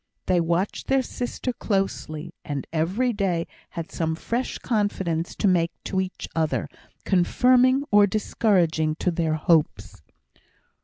They watched their sister closely; and every day had some fresh confidence to make to each other, confirming or discouraging to their hopes.